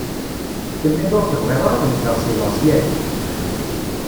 Telliḍ ur tebɣiḍ ara ad mmteɣ si laẓ, yak?